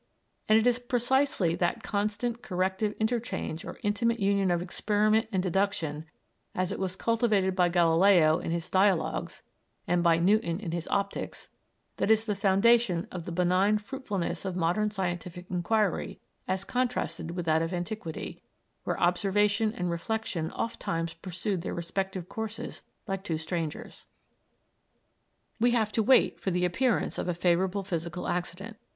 And it is precisely that constant, corrective interchange or intimate union of experiment and deduction, as it was cultivated by Galileo in his Dialogues and by Newton in his Optics, that is the foundation of the benign fruitfulness of modern scientific inquiry as contrasted with that of antiquity, where observation and reflexion ofttimes pursued their respective courses like two strangers. We have to wait for the appearance of a favorable physical accident.